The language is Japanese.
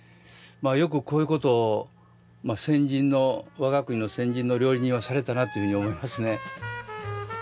よくこういうことを我が国の先人の料理人はされたなというふうに思いますね。